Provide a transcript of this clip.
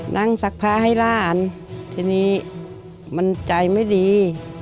นั่งสักพาให้ร่านทีนี้มันใจไม่ดี